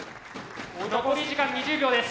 残り時間２０秒です。